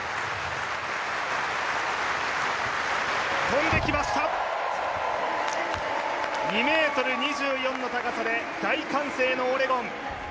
跳んできました２ｍ２４の高さで大歓声のオレゴン。